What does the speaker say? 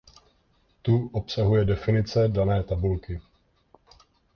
Tu obsahuje definice dané tabulky.